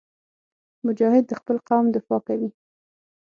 مجاهد د خپل قوم دفاع کوي.